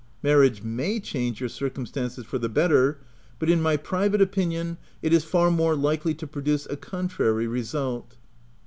Marriage may change your circum stances for the better, but in my private opinion, it is far more likely to produce a contrary result.